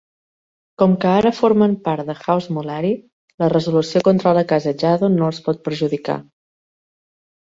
Com que ara formen part de House Mollari, la resolució contra la casa Jaddo no els pot perjudicar.